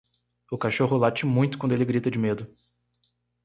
O cachorro late muito quando ele grita de medo.